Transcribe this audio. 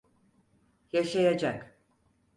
Yaşayacak.